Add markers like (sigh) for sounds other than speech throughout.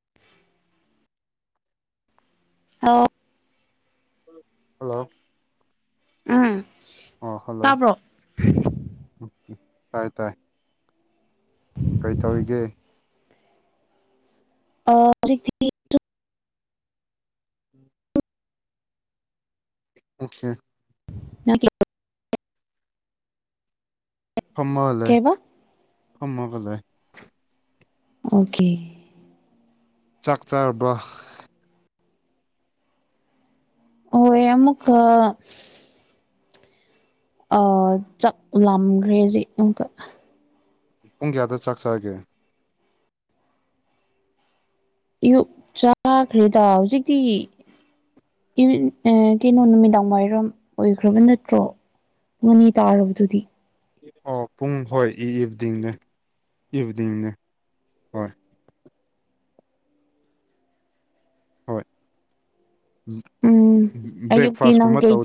(unintelligible) ꯑ (unintelligible) ꯍꯜꯂꯣ ꯎꯝ ꯑꯣ ꯍꯜꯂꯣ ꯇꯥꯕ꯭ꯔꯣ ꯇꯥꯏ ꯇꯥꯏ ꯍ (unintelligible) ꯀꯦꯏ ꯇ꯭ꯔꯤꯒ ꯇꯧꯕꯥ꯫ (inaudible) ꯑꯣꯀꯦ (inaudible) ꯐ꯭ꯍꯃꯒꯥ ꯂꯦꯏ ꯀꯩꯕ ꯐ꯭ꯍꯃꯒꯥ ꯂꯦꯏ꯫ ꯑꯣꯀꯦ ꯆꯛ ꯆꯔꯥ ꯕꯥ꯫ ꯍꯣꯏ ꯑꯃꯨꯀꯥ꯫ ꯆꯥꯛꯂꯝꯂꯝꯈ꯭ꯔꯦꯖꯤꯛ ꯑꯃꯨꯀ ꯄꯨꯡ ꯀꯥꯌꯥꯗꯥ ꯆꯛ ꯆꯥꯒꯦ꯫ ꯑꯌꯨꯛ ꯆꯥꯒ꯭ꯔꯦ ꯗꯥ ꯍꯥꯑꯣꯖꯤꯛ ꯗꯤ ꯏ ꯀꯩꯅꯣ ꯅꯨꯃꯤꯗꯥꯡ ꯋꯥꯏꯔꯝ ꯑꯣꯏꯈ꯭ꯔꯕ ꯅꯠꯇ꯭ꯔꯣ ꯑꯅꯤ ꯇꯥꯔꯕꯗꯨꯗꯤ ꯑꯣ ꯄꯨꯡ ꯍꯣꯏ ꯏꯚꯅꯤꯡꯅꯦ ꯏꯚꯅꯤꯡꯅꯦ ꯍꯣꯏ ꯍꯣꯏ ꯎꯝ ꯎꯝ ꯑꯌꯨꯛꯇꯤ ꯅꯪ ꯀꯩ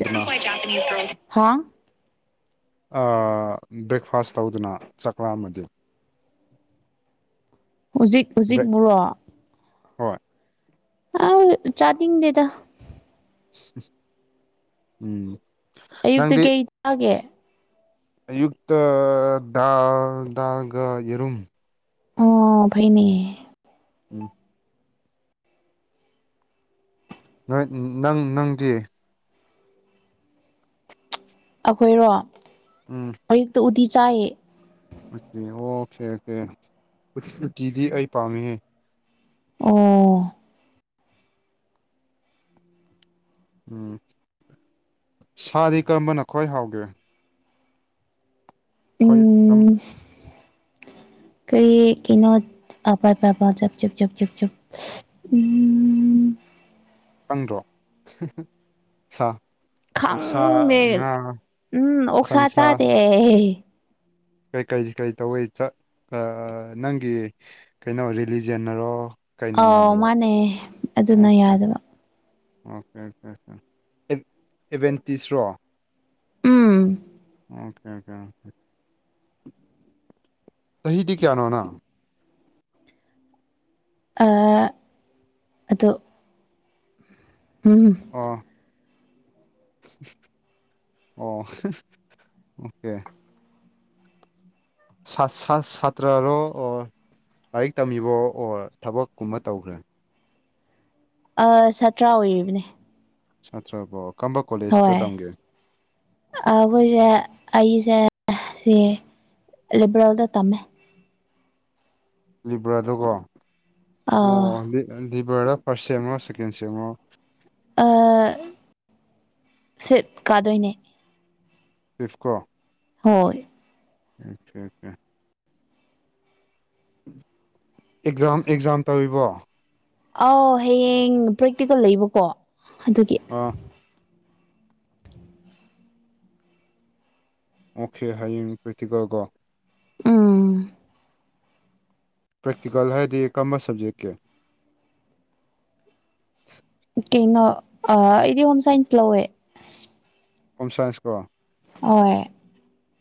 ꯍꯥ ꯑꯥ ꯕ꯭ꯔꯦꯛꯐꯥꯁ ꯇꯧꯗꯅ ꯆꯥꯛ ꯂꯥꯝꯃꯗꯤ ꯍꯧꯖꯤꯛ ꯍꯧꯖꯤꯛ ꯕ꯭ꯔꯦꯛ ꯕꯨꯔꯣ ꯍꯣꯏ ꯑꯩ ꯆꯥꯅꯤꯡꯗꯦꯗ ꯎꯝ ꯑꯌꯨꯛꯇ ꯅꯪꯗꯤ ꯀꯩ ꯇꯥꯒꯦ ꯑꯌꯨꯛꯇ ꯗꯥꯜ ꯗꯥꯜꯒ ꯌꯦꯔꯨꯝ ꯑꯣ ꯐꯩꯅꯦ ꯎꯝ ꯅꯣꯏ ꯅꯪ ꯅꯪꯗꯤ ꯑꯈꯣꯏꯔꯣ ꯎꯝ ꯑꯌꯨꯛꯇ ꯎꯇꯤ ꯆꯥꯌꯦ ꯑꯣꯀꯦ ꯑꯣꯀꯦ ꯎꯇꯤꯗꯤ ꯑꯩ ꯄꯥꯝꯃꯤꯍꯦ ꯑꯣ ꯎꯝ ꯁꯥꯗꯤ ꯀꯔꯝꯕꯅ ꯈ꯭ꯋꯥꯏ ꯍꯥꯎꯒꯦ ꯑꯩꯈꯣꯏ ꯑꯗꯨꯝ ꯎꯝ ꯀꯔꯤ ꯀꯩꯅꯣ ꯑꯄꯥ (unintelligible) ꯄꯕ (unintelligible) ꯎꯝ ꯈꯪꯗ꯭ꯔꯣ ꯁꯥ ꯑꯣꯛꯁꯥ ꯈꯪꯗꯦ ꯉꯥ ꯎꯝ ꯑꯣꯛꯁꯥ ꯁꯟꯁꯥ ꯆꯥꯗꯦ ꯀꯩ ꯀꯔꯤ ꯀꯔꯤ ꯇꯧꯋꯤ ꯆꯥ ꯑ ꯅꯪꯒꯤ ꯀꯩꯅꯣ ꯔꯤꯂꯤꯖꯟꯅꯔꯣ ꯀꯩꯅ ꯑꯧ ꯌꯥꯗꯕ ꯃꯥꯅꯦ ꯑꯗꯨꯅ ꯑꯣꯀꯦ ꯑꯣꯀꯦ ꯌꯥꯗꯕ ꯑꯣꯀꯦ ꯑꯣꯀꯦ ꯑꯣ ꯑꯦꯚꯦꯟꯇꯤꯁꯔꯣ ꯎꯝ ꯑꯣꯀꯦ ꯑꯣꯀꯦ ꯆꯍꯤꯗꯤ ꯀꯌꯥꯅꯣ ꯅꯪ ꯑ ꯑꯘꯨ ꯎꯝ ꯑꯣ ꯑꯣ ꯑꯣꯀꯦ ꯁꯥꯇ꯭ꯔꯔꯣ ꯑꯣꯔ ꯂꯥꯏꯔꯤꯛ ꯇꯝꯃꯤꯕꯣ ꯑꯣꯔ ꯊꯕꯛꯀꯨꯝꯕ ꯇꯧꯒꯔ ꯑꯥ ꯁꯥꯇ꯭ꯔꯥ ꯑꯣꯏꯔꯤꯕꯅꯦ ꯁꯥꯇ꯭ꯔꯕꯣ ꯀꯔꯝꯕ ꯀꯣꯂꯦꯖꯇ ꯍꯣꯏ ꯇꯝꯒꯦ ꯑꯩꯈꯣꯏꯁꯦ ꯑꯩꯁꯦ ꯁꯤ ꯂꯤꯕꯔꯦꯜꯗ ꯇꯝꯃꯦ ꯂꯤꯚꯔꯗꯀꯣ ꯑꯥ ꯑꯣ ꯂꯤꯚꯔꯗ ꯐꯥꯔꯁ ꯁꯦꯠꯃꯣ ꯁꯦꯀꯦꯟ ꯁꯦꯠꯃꯣ ꯑꯤ ꯐꯤꯞ ꯀꯥꯗꯣꯏꯅꯦ ꯕꯤꯐꯀꯣ ꯍꯣꯏ ꯑꯣꯀꯦ ꯑꯣꯀꯦ ꯑꯦꯛꯖꯥꯝ ꯑꯦꯛꯖꯥꯝ ꯇꯧꯔꯤꯕꯣ ꯑꯥꯎ ꯍꯌꯦꯡ ꯄ꯭ꯔꯦꯛꯇꯤꯀꯦꯜ ꯂꯩꯕꯀꯣ ꯑꯗꯨꯒꯤ ꯑꯣ ꯑꯣꯀꯦ ꯍꯌꯦꯡ ꯄ꯭ꯔꯦꯛꯇꯤꯀꯦꯜꯀꯣ ꯎꯝ ꯄ꯭ꯔꯦꯛꯇꯤꯀꯦꯜ ꯍꯥꯏꯗꯤ ꯀꯔꯝꯕ ꯁꯕꯖꯦꯛꯀꯤ (unintelligible) ꯀꯩꯅꯣ ꯑꯩꯗꯤ ꯍꯣꯝ ꯁꯥꯏꯟꯁ ꯂꯧꯋꯦ ꯍꯣꯝ ꯁꯥꯏꯟꯁꯀꯣ ꯑꯥꯏ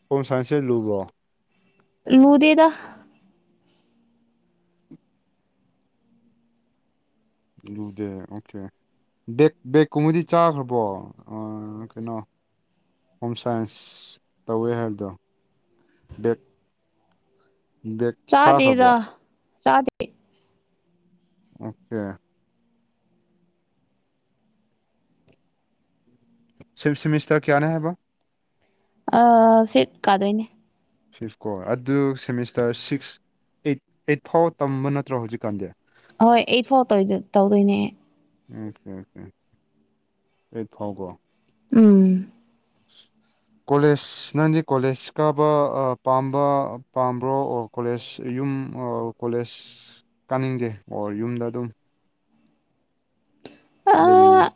ꯍꯣꯝ ꯁꯥꯏꯟꯁꯁꯦ ꯂꯨꯕ꯭ꯔꯣ ꯂꯨꯗꯦꯗ ꯂꯨꯗꯦ ꯑꯣꯀꯦ ꯕꯦꯛ ꯕꯦꯒꯀꯨꯝꯕꯗꯤ ꯆꯥꯈ꯭ꯔꯕꯣ ꯀꯩꯅꯣ ꯍꯣꯝ ꯁꯥꯏꯟꯁ ꯇꯧꯋꯦ ꯍꯥꯏꯕꯗꯣ ꯕꯦꯠ ꯕꯦꯛ ꯆꯥꯈ꯭ꯔꯕꯣ ꯆꯗꯦ ꯑꯣꯀꯦ ꯁꯤꯞ ꯁꯤꯃꯤꯁꯇ꯭ꯔ ꯀꯌꯥꯅꯦ ꯍꯥꯏꯕ ꯑꯥ ꯐꯤꯠ ꯀꯥꯗꯣꯏꯅꯦ ꯐꯤꯐ ꯀꯣ ꯑꯗꯨ ꯁꯦꯃꯤꯁꯇꯔ ꯁꯤꯛꯁ ꯑꯩꯠ ꯑꯩꯠ ꯐꯥꯎ ꯇꯝꯕ ꯅꯠꯇ꯭ꯔꯣ ꯍꯧꯖꯤꯛꯀꯥꯟꯗꯤ ꯍꯣꯏ ꯑꯩꯠꯐꯧ ꯇꯧꯗꯣꯏꯅꯦ ꯑꯣꯀꯦ ꯑꯣꯀꯦ ꯑꯩꯠ ꯐꯥꯎ ꯀꯣ ꯎꯝ (inaudible) ꯀꯣꯂꯦꯖꯅꯪꯗꯤ ꯀꯣꯂꯦꯖ ꯀꯥꯕ ꯄꯥꯝꯕ ꯄꯥꯝꯕ꯭ꯔꯣ ꯑꯣꯔ ꯀꯣꯂꯦꯖ ꯌꯨꯝ ꯀꯣꯂꯦꯖ ꯀꯥꯅꯤꯡꯗꯦ ꯑꯣꯔ ꯌꯨꯝꯗ ꯑꯗꯨꯝ ꯂꯩꯅꯤꯡꯉꯤ ꯑ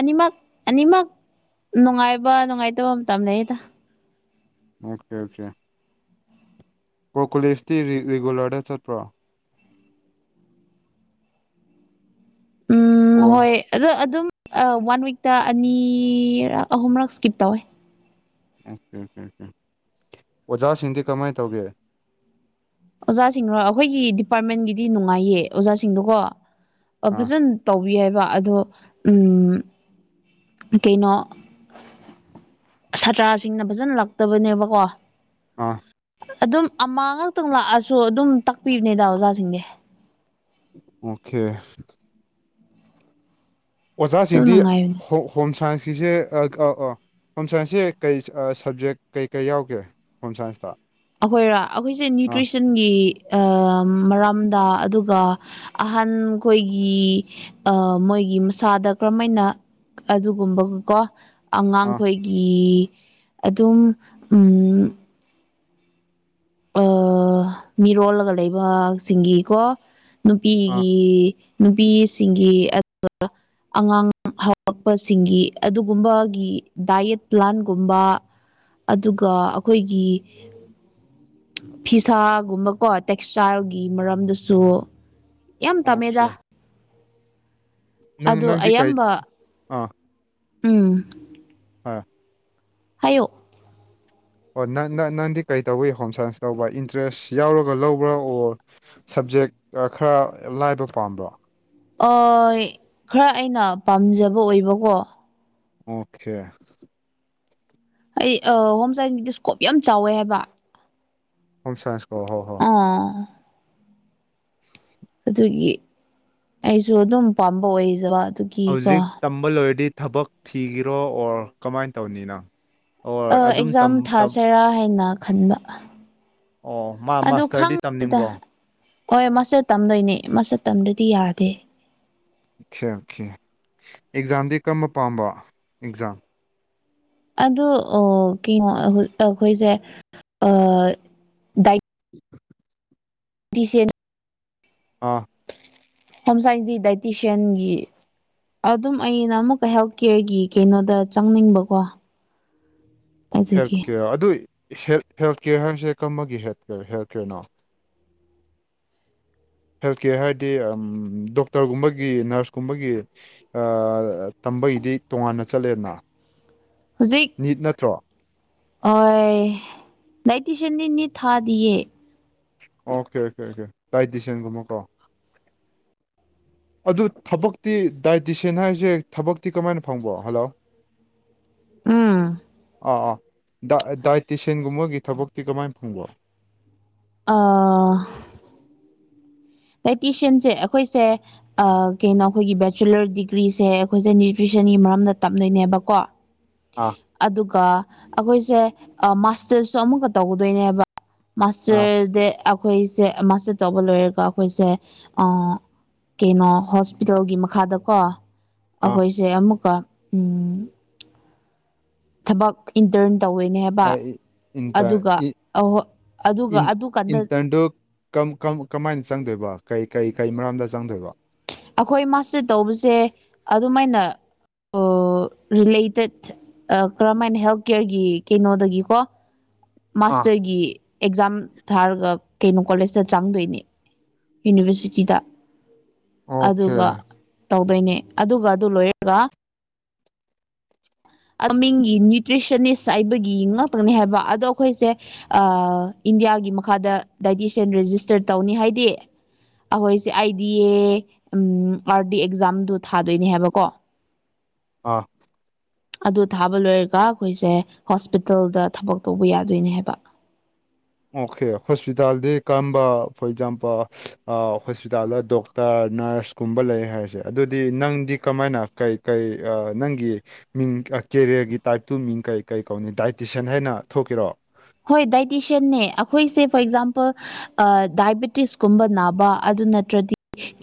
ꯑꯅꯤꯃꯛ ꯑꯅꯤꯃꯛ ꯅꯨꯡꯉꯥꯏꯕ ꯅꯨꯡꯉꯥꯏꯇꯕ ꯃꯇꯝ ꯂꯩꯑꯗ ꯑꯣꯀꯦ ꯑꯣꯀꯦ ꯀꯣꯀꯨꯂꯤꯁꯇꯤꯔꯤ ꯔꯤꯒꯨꯂꯔꯗ ꯆꯠꯄ꯭ꯔꯣ ꯎꯝ ꯑꯣ ꯍꯣꯏ ꯑꯗꯣ ꯑꯗꯨꯝ ꯋꯥꯟ ꯋꯤꯛꯇ ꯑꯅꯤꯔꯛ ꯑꯍꯨꯝꯔꯛ ꯁ꯭ꯀꯤꯞ ꯇꯧꯋꯦ ꯎ (unintelligible) ꯑꯣꯖꯥꯁꯤꯡꯗꯤ ꯀꯃꯥꯏꯅ ꯇꯧꯒꯦ ꯑꯣꯖꯥꯁꯤꯡꯔꯣ ꯑꯩꯈꯣꯏꯒꯤ ꯗꯤꯄꯥꯔꯠꯃꯦꯟꯒꯤꯗꯤ ꯅꯨꯡꯉꯥꯏꯌꯦ ꯑꯣꯖꯥꯁꯤꯡꯗꯣꯀꯣ ꯑꯥ ꯐꯖꯅ ꯇꯧꯕꯤ ꯍꯥꯏꯕ ꯑꯗꯣ ꯎꯝ ꯀꯩꯅꯣ ꯁꯥꯇ꯭ꯔꯥꯁꯤꯡꯅ ꯐꯖꯅ ꯂꯥꯛꯇꯕꯅꯦꯕꯀꯣ ꯑꯥ ꯑꯗꯨꯝ ꯑꯃ ꯉꯥꯛꯇꯪ ꯂꯥꯛꯑꯁꯨ ꯑꯗꯨꯝ ꯇꯥꯛꯄꯤꯕꯅꯦꯗ ꯑꯣꯖꯥꯁꯤꯡ ꯑꯣꯀꯦ ꯑꯗꯨꯝ ꯑꯣꯖꯥꯁꯤꯡꯗꯤ ꯅꯨꯡꯉꯥꯏꯕꯅꯦ ꯍꯣꯝ ꯁꯥꯏꯟꯁꯀꯤꯁꯦ ꯑꯥ ꯑꯥ ꯍꯣꯝ ꯁꯥꯏꯟꯁꯁꯦ ꯀꯩ ꯁꯕꯖꯦꯛ ꯀꯩꯀꯩ ꯌꯥꯎꯒꯦ ꯍꯣꯝ ꯁꯥꯏꯟꯁꯇ ꯑꯩꯈꯣꯏꯔ ꯑꯩꯈꯣꯏꯁꯦ ꯑꯥ ꯅꯌꯨꯇꯔꯤꯁꯟ ꯏꯆꯤꯟꯒꯤ ꯃꯔꯝꯗ ꯑꯗꯨꯒ ꯑꯍꯟꯈꯣꯏꯒꯤ ꯑ ꯃꯣꯏꯒꯤ ꯃꯁꯥꯗ ꯀꯔꯝꯍꯥꯏꯅ ꯑꯗꯨꯒꯨꯝꯕꯒ ꯀꯣ ꯑꯥ ꯑꯉꯥꯡꯈꯣꯏꯒꯤ ꯑꯗꯨꯝ ꯎꯝ ꯑꯣ ꯃꯤꯔꯣꯜꯂꯒ ꯂꯩꯕꯁꯤꯡꯒꯤꯀꯣ ꯑꯥ ꯅꯨꯄꯤꯒꯤ ꯅꯨꯄꯤꯁꯤꯡꯒꯤ ꯑꯗꯨꯒ ꯑꯉꯥꯡ ꯍꯧꯔꯛꯄꯁꯤꯡꯒꯤ ꯑꯗꯨꯒꯨꯝꯕꯒꯤ ꯗꯥꯏꯌꯦꯠ ꯄ꯭ꯂꯥꯟꯒꯨꯝꯕ ꯑꯗꯨꯒ ꯑꯈꯣꯏꯒꯤ ꯐꯤꯁꯥꯒꯨꯝꯕꯀꯣ ꯇꯦꯛꯁꯇꯥꯏꯜꯒꯤ ꯃꯔꯝꯗꯁꯨ ꯌꯥꯝ ꯇꯝꯃꯦꯗ ꯑꯣꯀꯦ ꯅꯪ ꯑꯗꯣ ꯅꯪꯗꯤ ꯀꯩ ꯑꯌꯥꯝꯕ ꯑꯥ ꯎꯝ ꯑꯥ ꯍꯥꯏꯌꯣ ꯑꯣ ꯅ ꯅꯪꯗꯤ ꯀꯩ ꯇꯧꯋꯏ ꯍꯣꯝ ꯁꯥꯏꯟꯁ ꯇꯧꯕ ꯏꯟꯇꯔꯦꯁ ꯌꯥꯎꯔꯒ ꯂꯧꯕ꯭ꯔꯥ ꯑꯣꯔ ꯁꯕꯖꯦꯛ ꯈꯔ ꯂꯥꯏꯕ ꯄꯥꯝꯕ꯭ꯔꯣ ꯑꯣꯏ ꯈꯔ ꯑꯩꯅ ꯄꯥꯝꯖꯕ ꯑꯣꯏꯕꯀꯣ ꯑꯣꯀꯦ ꯑꯩ ꯍꯣꯝ ꯁꯥꯏꯟꯁ ꯁꯀꯣꯞ ꯌꯥꯝ ꯆꯥꯎꯋꯦ ꯍꯥꯏꯕ ꯍꯣꯝ ꯁꯥꯏꯟꯁ ꯀꯣ ꯍꯣ ꯍꯣ ꯑꯥ ꯑꯗꯨꯒꯤ ꯑꯩꯁꯨ ꯑꯗꯨꯝ ꯄꯥꯝꯕ ꯑꯣꯏꯖꯕ ꯑꯗꯨ ꯍꯧꯖꯤꯛ ꯇꯝꯕ ꯂꯣꯏꯔꯗꯤ ꯊꯕꯛ ꯊꯤꯒꯦꯔꯣ ꯑꯣꯔ ꯀꯃꯥꯏꯅ ꯇꯧꯅꯤ ꯅꯪ ꯑꯣꯔ ꯑꯗꯨꯝ ꯑꯦꯛꯖꯥꯝ ꯇꯝ ꯇꯝ ꯊꯥꯁꯤꯔꯥ ꯍꯥꯏꯅ ꯈꯟꯕ ꯑꯣ ꯃꯥ ꯑꯗꯨ ꯃꯥꯁꯇꯔꯗꯤ ꯈꯪꯗꯦꯗ ꯇꯝꯅꯤꯡꯕ꯭ꯔꯣ ꯍꯣꯏ ꯃꯁꯇꯔ ꯇꯝꯗꯣꯏꯅꯦ ꯃꯁꯇꯔ ꯇꯝꯗꯔꯗꯤ ꯌꯥꯗꯦ ꯑꯣ ꯀꯦ ꯑꯣꯀꯦ ꯑꯦꯛꯖꯥꯝꯗꯤ ꯀꯔꯝꯕ ꯄꯥꯝꯕ ꯑꯦꯛꯖꯥꯝ ꯑꯗꯣ ꯑꯣ ꯀꯩꯅꯣ ꯑꯩꯈꯣꯏꯁꯦ (unintelligible) ꯄꯤꯁꯦ ꯑꯥ ꯍꯣꯝ ꯁꯥꯏꯟꯁꯇꯤ ꯗꯥꯏꯇꯤꯁꯤꯌꯥꯟꯒꯤ ꯑꯗꯨꯝ ꯑꯩꯅ ꯑꯃꯨꯛꯀ ꯍꯦꯜꯊ ꯀꯦꯌꯔꯒꯤ ꯀꯩꯅꯣꯗ ꯆꯪꯅꯤꯡꯕꯀꯣ (inaudible) ꯍꯦꯜꯊ ꯑꯗꯨꯒꯤ ꯀꯦꯌꯔ ꯑꯗꯨ ꯍꯦꯜꯊ ꯀꯦꯌꯔ ꯍꯥꯏꯔꯤꯁꯦ ꯀꯔꯝꯕꯒꯤ ꯍꯦꯜꯊ ꯍꯦꯜꯊ ꯀꯦꯌꯔꯅꯣ ꯍꯦꯜꯊ ꯀꯦꯌꯔ ꯍꯥꯏꯔꯗꯤ ꯗꯣꯛꯇꯔꯒꯨꯝꯕꯒꯤ ꯅꯔꯁ ꯀꯨꯝꯕꯒꯤ ꯑ ꯇꯝꯕꯒꯤꯗꯤ ꯇꯣꯉꯥꯟꯅ ꯆꯠꯂꯦꯅ ꯍꯧꯖꯤꯛ ꯅꯤꯠ ꯅꯠꯇ꯭ꯔꯣ ꯑꯣꯏꯌꯦ ꯗꯥꯏꯇꯤꯁꯤꯌꯥꯟꯗꯤ ꯅꯤꯠ ꯊꯥꯗꯤꯌꯦ ꯑꯣꯀꯦ ꯑꯣꯀꯦ ꯑꯣꯀꯦ ꯗꯥꯢꯇꯤꯁꯤꯌꯥꯟꯒꯨꯝꯕꯀꯣ ꯑꯗꯨ ꯊꯕꯛꯇꯤ ꯗꯥꯏꯇꯤꯁꯤꯌꯥꯟ ꯍꯥꯏꯁꯦ ꯊꯕꯛꯇꯤ ꯀꯃꯥꯏꯅ ꯐꯪꯕ ꯍꯜꯂꯣ ꯎꯝ ꯑꯥ ꯑꯥ ꯗꯥꯏꯇꯁꯤꯟꯒꯨꯝꯕꯒꯤ ꯊꯕꯛꯇꯤ ꯀꯃꯥꯏꯅ ꯐꯪꯕꯔꯣ ꯑꯥ ꯗꯥꯏꯇꯤꯁꯤꯌꯟꯁꯦ ꯑꯩꯈꯣꯏꯁꯦ ꯀꯩꯅꯣ ꯑꯩꯈꯣꯏꯒꯤ ꯕꯦꯆꯨꯂꯔ ꯗꯤꯒ꯭ꯔꯤꯁꯦ ꯑꯩꯈꯣꯏꯁꯦ ꯅ꯭ꯌꯨꯇ꯭ꯔꯤꯁꯟꯒꯤ ꯃꯔꯝꯗ ꯇꯝꯗꯣꯏꯅꯦꯕꯀꯣ ꯑꯥ ꯑꯗꯨꯒ ꯑꯩꯈꯣꯏꯁꯦ ꯃꯥꯁꯇꯔꯁꯁꯨ ꯑꯃꯨꯛꯀ ꯇꯧꯒꯗꯣꯏꯅꯦꯕ (unintelligible) ꯑꯥ ꯑꯩꯈꯣꯏꯁꯦ ꯀꯩꯅꯣ ꯍꯣꯁꯄꯤꯇꯥꯜꯒꯤ ꯃꯈꯥꯗꯀꯣ ꯑꯥ ꯑꯩꯈꯣꯏ ꯑꯃꯨꯛ ꯎꯝ ꯊꯕꯛ ꯏꯟꯇꯔꯟ ꯇꯧꯅꯦ ꯑꯩ ꯏꯟꯇꯔ ꯑꯗꯨꯒ ꯏ ꯑꯣꯏ ꯑꯗꯨꯒ ꯏꯟ ꯑꯗꯨ ꯀꯥꯟꯗ (unintelligible) ꯀꯃꯥꯏꯅ ꯆꯪꯗꯣꯏꯕ ꯀꯩ ꯀꯩ ꯀꯩ ꯃꯔꯝꯗ ꯆꯪꯗꯣꯏꯕ ꯑꯩꯈꯣꯏ ꯃꯥꯁꯇꯔ ꯇꯧꯕꯁꯦ ꯑꯗꯨꯝꯥꯏꯅ ꯔꯤꯂꯦꯇꯦꯠ ꯀꯔꯝꯥꯏꯅ ꯍꯦꯜꯊ ꯀꯦꯌꯔꯒꯤ ꯀꯩꯅꯣꯗꯒꯤꯀꯣ ꯑꯥ ꯃꯥꯁꯇꯔꯒꯤ ꯑꯦꯛꯖꯥꯝ ꯊꯥꯔꯒ ꯀꯩꯅꯣ ꯀꯣꯂꯦꯖꯇ ꯆꯪꯗꯣꯏꯅꯦ ꯌꯨꯅꯤꯚꯔꯁꯤꯇꯤꯗ ꯑꯣꯀꯦ ꯑꯗꯨꯒ ꯇꯧꯗꯣꯏꯅꯦ ꯑꯗꯨꯒ ꯑꯗꯨ ꯂꯣꯏꯔꯒ (unintelligible) ꯃꯤꯡꯒꯤ ꯅ꯭ꯌꯨꯇ꯭ꯔꯤꯁꯅꯤꯁ ꯍꯥꯏꯕꯒꯤ ꯉꯥꯛꯇꯅꯤ ꯍꯥꯏꯕ ꯑꯗꯣ ꯑꯩꯈꯣꯏꯁꯦ ꯑ ꯏꯟꯗꯤꯌꯥꯒꯤ ꯃꯈꯥꯗ ꯗꯥꯏꯇꯤꯁꯌꯥꯟ ꯔꯦꯖꯤꯁꯇꯔ ꯇꯧꯅꯤ ꯍꯥꯏꯗꯤ ꯑꯩꯈꯣꯏꯁꯦ I D A um R D ꯑꯦꯛꯖꯥꯝꯗꯨ ꯊꯥꯗꯣꯏꯅꯦ ꯍꯥꯏꯕꯀꯣ ꯑꯥ ꯑꯗꯨ ꯊꯥꯕ ꯂꯣꯏꯔꯒ ꯑꯩꯈꯣꯏꯁꯦ ꯍꯣꯁꯄꯤꯇꯥꯜꯗ ꯊꯕꯛ ꯇꯧꯕ ꯌꯥꯗꯣꯏꯅꯦ ꯍꯥꯏꯕ ꯑꯣꯀꯦ ꯍꯣꯁꯄꯤꯇꯥꯜꯗꯤ ꯀꯔꯝꯕ ꯐꯣꯔ ꯑꯦꯛꯖꯥꯝꯄꯜ ꯍꯣꯁꯄꯤꯇꯥꯜꯗ ꯗꯣꯛꯇꯔ ꯅꯔꯁꯀꯨꯝꯕ ꯂꯩ ꯍꯥꯏꯔꯤꯁꯦ ꯑꯗꯨꯗꯤ ꯅꯪꯗꯤ ꯀꯃꯥꯏꯅ ꯀꯩ ꯀꯩ ꯅꯪꯒꯤ ꯃꯤꯡ ꯀꯦꯔꯤꯌꯔꯒꯤ ꯇꯥꯏꯞꯇꯨ ꯃꯤꯡ ꯀꯩ ꯀꯩ ꯀꯧꯅꯤ ꯗꯥꯏꯇꯤꯁꯤꯌꯥꯟ ꯍꯥꯏꯅ ꯊꯣꯛꯀꯔꯣ ꯍꯣꯏ ꯗꯥꯏꯇꯤꯁꯤꯌꯥꯟꯅꯦ ꯑꯩꯈꯣꯏꯁꯦ ꯐꯣꯔ ꯑꯦꯛꯖꯥꯝꯄꯜ ꯗꯥꯏꯕꯦꯇꯤꯁꯀꯨꯝꯕ ꯅꯥꯕ ꯑꯗꯨ ꯅꯠꯇ꯭ꯔꯗꯤ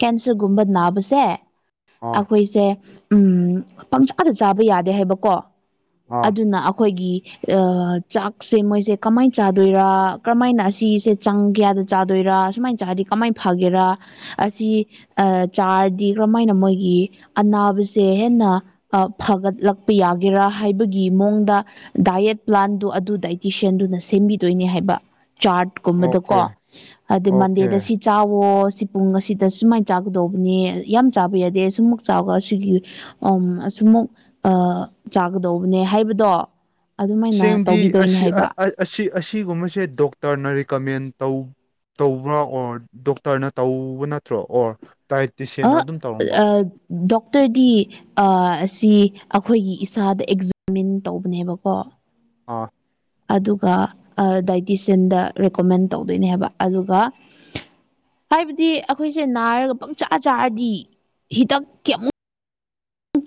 ꯀꯦꯟꯁꯔꯒꯨꯝꯕ ꯅꯥꯕꯁꯦ ꯑꯥ ꯑꯩꯈꯣꯏꯁꯦ ꯎꯝ ꯄꯪꯆꯥꯥꯗ ꯆꯥꯕ ꯌꯥꯗꯦ ꯍꯥꯏꯕꯀꯣ ꯑꯥ ꯑꯗꯨꯅ ꯑꯩꯈꯣꯏꯒꯤ ꯆꯥꯛ ꯁꯦ ꯃꯣꯏꯁꯦ ꯀꯃꯥꯏꯅ ꯆꯥꯗꯣꯏꯔꯥ ꯀꯔꯃꯥꯏꯅ ꯑꯁꯤꯁꯦ ꯆꯪ ꯀꯌꯥꯗ ꯆꯥꯗꯣꯏꯔꯥ ꯁꯨꯃꯥꯏꯅ ꯆꯥꯔꯗꯤ ꯀꯃꯥꯏꯅ ꯐꯒꯦꯔꯥ ꯑꯁꯤ ꯑ ꯆꯥꯔꯗꯤ ꯀꯔꯝꯍꯥꯏꯅ ꯃꯣꯏꯒꯤ ꯑꯅꯥꯕꯁꯦ ꯍꯦꯟꯅ ꯑ ꯐꯒꯠꯂꯛꯄ ꯌꯥꯒꯦꯔꯥ ꯍꯥꯏꯕꯒꯤ ꯃꯑꯣꯡꯗ ꯗꯥꯏꯌꯦꯠ ꯄ꯭ꯂꯥꯟꯗꯨ ꯑꯗꯨꯗ ꯇꯤꯁꯟꯗꯨꯅ ꯁꯦꯝꯕꯤꯗꯣꯏꯅꯦ ꯍꯥꯏꯕ ꯑꯣꯀꯦ ꯆꯥꯔꯠꯀꯨꯝꯕꯗꯀꯣ ꯑꯗ ꯑꯣꯀꯦ ꯃꯟꯗꯦꯗ ꯆꯥꯎꯋꯣ ꯁꯤ ꯄꯨꯡ ꯑꯁꯤꯗ ꯁꯨꯃꯥꯏꯅ ꯆꯥꯒꯗꯧꯕꯅꯤ ꯌꯥꯝ ꯆꯥꯕ ꯌꯥꯗꯦ ꯁꯤꯃꯨꯛ ꯆꯥꯎꯔꯒ ꯁꯤ ꯑꯣ ꯑꯁꯨꯃꯨꯛ ꯑ ꯆꯥꯒꯗꯧꯕꯅꯦ ꯍꯥꯏꯕꯗꯣ ꯑꯗꯨꯃꯥꯏꯅ ꯁꯦꯝꯗꯤ ꯇꯧꯕꯤꯗꯣꯏꯅꯦ ꯑꯁꯤ ꯍꯥꯏꯕ ꯑ- ꯑꯁꯤ ꯑꯁꯤꯒꯨꯝꯕꯁꯦ ꯗꯣꯛꯇꯔꯅ ꯔꯤꯀꯃꯦꯟ ꯇꯧ ꯇꯧꯕ꯭ꯔꯥ ꯑꯣꯔ ꯗꯣꯛꯇꯔꯅ ꯇꯧꯕ ꯅꯠꯇ꯭ꯔꯣ ꯑꯣꯔ ꯗꯥꯏꯇꯤꯁꯤꯌꯥꯟꯅ ꯑꯠ ꯑꯗꯨꯝ ꯇꯧꯔꯝꯕ ꯑ ꯗꯣꯛꯇꯔꯗꯤ ꯑ ꯑꯁꯤ ꯑꯩꯈꯣꯏꯒꯤ ꯏꯁꯥꯗ ꯑꯦꯛꯖꯥꯃꯤꯟ ꯇꯧꯕꯅꯦꯕꯀꯣ ꯑꯥ ꯑꯗꯨꯒ ꯑ ꯗꯥꯏꯇꯤꯁꯤꯟꯗ ꯔꯦꯀꯣꯃꯦꯟ ꯇꯧꯗꯣꯏꯅꯦ ꯍꯥꯏꯕ ꯑꯗꯨꯒ ꯍꯥꯏꯕꯗꯤ ꯑꯩꯈꯣꯏꯁꯦ ꯅꯥꯔꯒ ꯄꯪꯆꯥꯥ ꯆꯥꯔꯗꯤ ꯍꯤꯗꯛꯀꯤ ꯑꯃꯨꯛ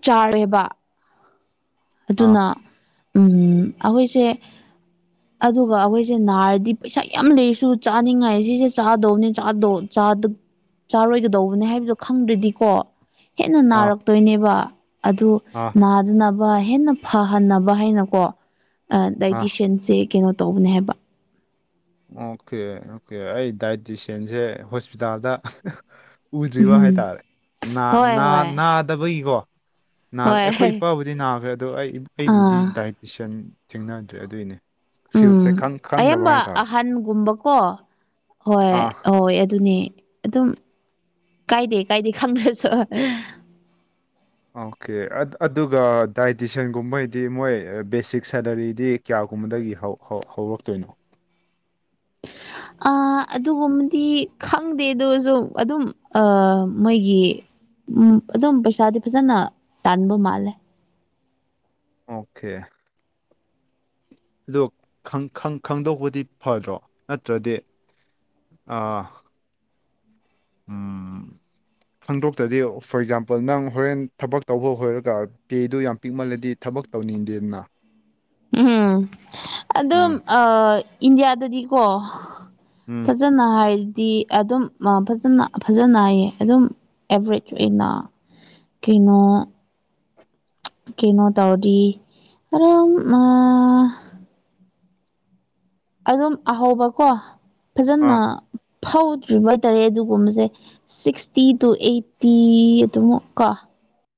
ꯆꯥꯔꯦꯕ ꯑꯥ ꯑꯗꯨꯅ ꯎꯝ ꯑꯩꯈꯣꯏꯁꯦ (inaudible) ꯑꯗꯨꯒ ꯑꯩꯈꯣꯏꯁꯦ ꯅꯥꯔꯗꯤ ꯄꯩꯁꯥ ꯌꯥꯝ ꯂꯩꯔꯁꯨ ꯆꯥꯅꯤꯡꯉꯥꯏ ꯁꯤꯁꯦ ꯆꯥꯗꯧꯕꯅꯦ ꯆꯥꯗꯣ ꯆꯥꯔꯣꯏꯒꯗꯧꯕꯅꯦ ꯍꯥꯏꯕꯗꯣ ꯈꯪꯗ꯭꯭ꯔꯗꯤꯀꯣ ꯍꯦꯟꯅ ꯑꯥ ꯅꯥꯔꯛꯇꯣꯏꯅꯦꯕ ꯑꯗꯨ ꯑꯥ ꯅꯥꯗꯅꯕ ꯍꯦꯟꯅꯥ ꯐꯍꯟꯅꯕꯥ ꯍꯥꯏꯅꯀꯣ ꯗꯥꯏꯇꯤꯁꯟꯁꯦ ꯀꯩꯅꯣ ꯇꯧꯕꯅꯦ ꯍꯥꯏꯕ ꯑꯣꯀꯦ ꯑꯣꯀꯦ ꯑꯩ ꯗꯥꯏꯇꯁꯤꯌꯥꯟꯁꯦ ꯍꯣꯁꯄꯤꯇꯥꯜꯗ ꯎꯗ꯭ꯔꯤꯕ ꯎꯝ ꯍꯥꯏꯇꯥꯔꯦ ꯅꯥ ꯍꯣꯏ ꯅꯥ ꯍꯣꯏ ꯅꯥꯗꯕꯒꯤꯀꯣ ꯍꯣꯏ ꯑꯩꯈꯣꯏ ꯏꯄꯥꯕꯨꯗꯤ ꯅꯥꯈ꯭ꯔꯦ ꯑꯗꯣ ꯑꯩ ꯑꯩꯕꯨꯗꯤ ꯑꯥ ꯗꯥꯏꯇꯁꯤꯌꯥꯟ ꯊꯦꯡꯅꯗ꯭ꯔꯦ ꯑꯗꯨꯏꯅꯦ ꯐꯤꯜꯆꯦ ꯈꯪ ꯈꯪꯗꯕ ꯍꯥꯏꯇꯥꯔꯦ ꯍꯟꯒꯨꯝꯕꯀꯣ ꯍꯣꯏ ꯑꯥ ꯍꯣꯏ ꯑꯗꯨꯅꯤ ꯑꯗꯨꯝ ꯀꯥꯏꯗꯦ ꯀꯥꯏꯗꯦ ꯈꯪꯗ꯭ꯔꯁꯣ ꯑꯣꯀꯦ ꯑꯠ ꯑꯗꯨꯒ ꯗꯥꯏꯇꯤꯁꯟꯒꯨꯝꯕꯩꯗꯤ ꯃꯣꯏ ꯕꯦꯁꯤꯛ ꯁꯦꯂꯔꯤꯗꯤ ꯀꯌꯥꯒꯨꯝꯕꯗꯒꯤ ꯍꯧ ꯍꯧ ꯍꯧꯔꯛꯇꯣꯏꯅꯣ ꯑ ꯑꯗꯨꯒꯨꯝꯕꯗꯤ ꯈꯪꯗꯦ ꯑꯗꯨꯖꯨ ꯑꯗꯨꯝ ꯑ ꯃꯣꯏꯒꯤ ꯎꯝ ꯑꯗꯨꯝ ꯄꯩꯁꯥꯗꯤ ꯐꯖꯅ ꯇꯥꯟꯕ ꯃꯥꯜꯂꯦ ꯑꯣꯀꯦ ꯑꯗꯨ ꯈꯪ ꯈꯪ ꯈꯪꯗꯣꯛꯄꯗꯤ ꯐꯗ꯭ꯔꯣ ꯅꯠꯇ꯭ꯔꯗꯤ ꯑ ꯎꯝ ꯈꯪꯗꯣꯛꯇ꯭ꯔꯗꯤ ꯐꯣꯔ ꯑꯦꯛꯖꯥꯝꯄꯜ ꯅꯪ ꯍꯣꯔꯦꯟ ꯊꯕꯛ ꯇꯧꯕ ꯍꯣꯏꯔꯒ ꯄꯦꯗꯨ ꯌꯥꯝ ꯄꯤꯛꯃꯜꯂꯗꯤ ꯊꯕꯛ ꯇꯧꯅꯤꯡꯗꯦꯅ ꯎꯝ ꯑꯗꯨꯝ ꯑ ꯏꯟꯗꯤꯌꯥꯗꯗꯤꯀꯣ ꯎꯝ ꯐꯖꯅ ꯍꯥꯏꯔꯗꯤ ꯑꯗꯨꯝ ꯐꯖꯅ ꯐꯖꯅ ꯍꯥꯏꯌꯦ ꯑꯗꯨꯝ ꯑꯦꯕꯔꯦꯖ ꯑꯣꯏꯅ ꯀꯩꯅꯣ ꯀꯩꯅꯣ ꯇꯥꯎꯔꯗꯤ ꯑꯗꯨꯝ ꯑ ꯑꯗꯨꯝ ꯑꯍꯥꯎꯕꯀꯣ ꯐꯖꯅ ꯑꯥ ꯐꯧꯗ꯭ꯔꯤꯕ ꯍꯥꯏꯇꯔꯦ ꯑꯗꯨꯒꯨꯝꯕꯁꯦ ꯁꯤꯛꯁꯇꯤ ꯇꯨ ꯑꯩꯠꯇꯤ ꯑꯗꯨꯃꯨꯛ ꯀꯣ